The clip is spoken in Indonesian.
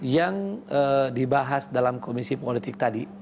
yang dibahas dalam komisi politik tadi